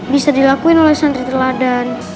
bisa dilakuin oleh santri teladan